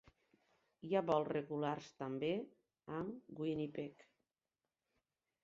Hi ha vols regulars també amb Winnipeg.